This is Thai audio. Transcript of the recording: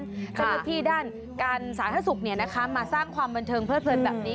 เจ้าหน้าที่ด้านการสารศักดิ์สุขมาสร้างความบรรเทิงเพลิดแบบนี้